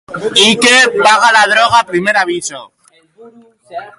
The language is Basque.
Baoen betegarria harlangaitzezkoa da, eta zati batean latza da.